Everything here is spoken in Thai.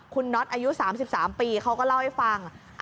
คุณน็อตอายุ๓๓ปีเขาก็เล่าให้ฟัง